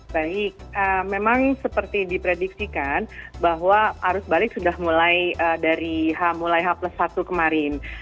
baik memang seperti diprediksikan bahwa arus balik sudah mulai dari h mulai h plus satu kemarin